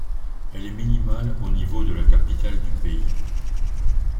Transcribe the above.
Elle est minimale au niveau de la capitale du pays.